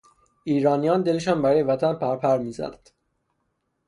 ایرانیان دلشان برای وطن پرپر میزد.